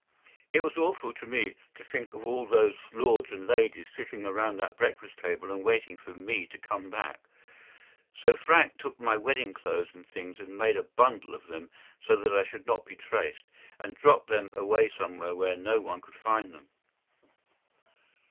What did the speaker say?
It was awful to me to think of all those lords and ladies sitting round that breakfast table and waiting for me to come back. So Frank took my wedding clothes and things and made a bundle of them, so that I should not be traced, and dropped them away somewhere where no one could find them.